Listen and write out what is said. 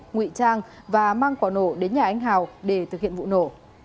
ngụy trang và mang quả nổ đến nhà anh hào để thực hiện vụ nổ